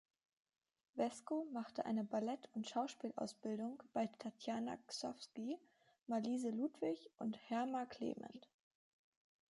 Vesco machte eine Ballett- und Schauspielausbildung bei Tatjana Gsovsky, Marlise Ludwig und Herma Clement.